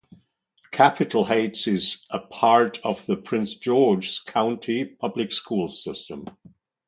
Capitol Heights is a part of the Prince George's County Public Schools system.